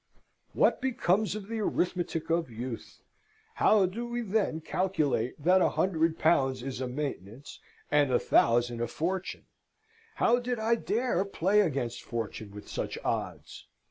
What becomes of the arithmetic of youth? How do we then calculate that a hundred pounds is a maintenance, and a thousand a fortune? How did I dare play against Fortune with such odds?